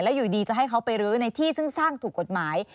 อยู่ดีจะให้เขาไปรื้อในที่ซึ่งสร้างถูกกฎหมาย